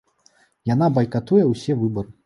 Яна байкатуе ўсе выбары.